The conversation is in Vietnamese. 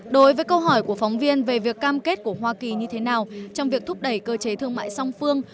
đối với câu hỏi của phóng viên về việc cam kết của hoa kỳ như thế nào trong việc thúc đẩy cơ chế thương mại song phương